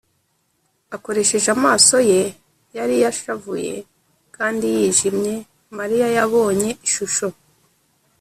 akoresheje amaso ye yari yashavuye kandi yijimye, mariya yabonye ishusho